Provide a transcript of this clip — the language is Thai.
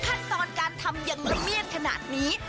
ขั้นตอนการทำอย่างละเมียดขนาดนี้